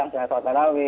misalnya salat tarawih